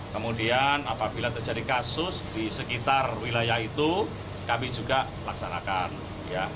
kemudian apabila terjadi kasus di sekitar wilayah itu kami juga laksanakan ya